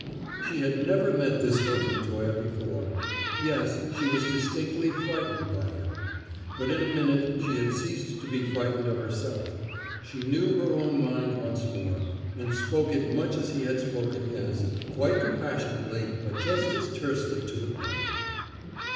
She had never met this Hilton Toye before. Yes; she was distinctly frightened by him. But in a minute she had ceased to be frightened of herself; she knew her own mind once more, and spoke it much as he had spoken his, quite compassionately, but just as tersely to the point.